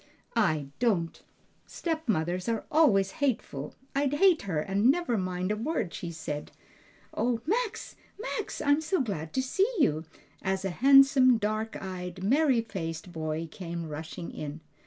"I don't! stepmothers are always hateful! I'd hate her and never mind a word she said. O Max, Max! I'm so glad to see you!" as a handsome, dark eyed, merry faced boy came rushing in.